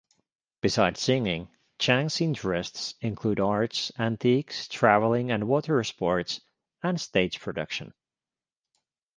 Besides singing, Chang's interests include arts, antiques, traveling and water sports, and stage production.